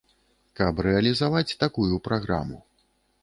Каб рэалізаваць такую праграму.